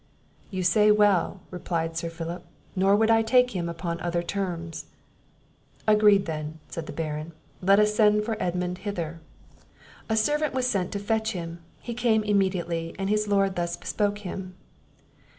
"You say well," replied Sir Philip; "nor would I take him upon other terms." "Agreed then," said the Baron; "let us send for Edmund hither." A servant was sent to fetch him; he came immediately, and his Lord thus bespoke him.